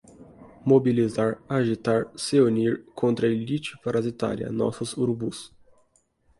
Mobilizar, agitar, se unir, contra a elite parasitária, nossos urubus